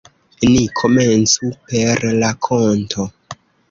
Ni komencu per rakonto.